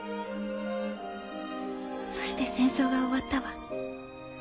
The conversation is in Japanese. そして戦争が終わったわ。